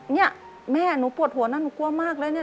เนี่ยแม่หนูปวดหัวนะหนูกลัวมากเลยเนี่ย